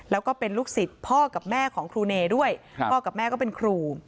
แล้วก็เป็นลูกศิษย์พ่อกับแม่ของครูเนด้วยพ่อกับแม่ก็เป็นครู